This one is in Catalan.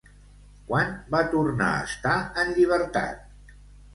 Quan va tornar a estar en llibertat?